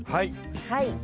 はい。